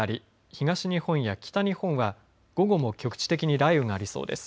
東日本や北日本は午後も局地的に雷雨がありそうです。